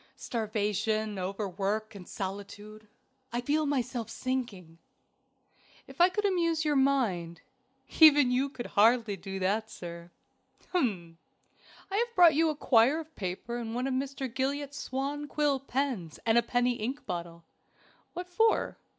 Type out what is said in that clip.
"Starvation, overwork, and solitude. I feel myself sinking." "If I could amuse your mind." "Even you could hardly do that, sir." "Hum! I have brought you a quire of paper and one of Mr. Gillott's swan quill pens and a penny ink bottle." "What for?"